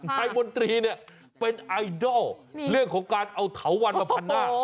นายมนตรีเนี่ยเป็นไอดอลเรื่องของการเอาเถาวันมาพันหน้า